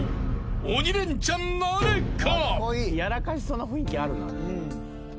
［鬼レンチャンなるか？］